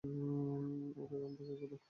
ও বেগম রোকেয়া পদক